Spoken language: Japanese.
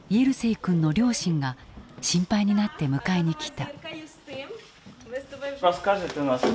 君の両親が心配になって迎えに来た。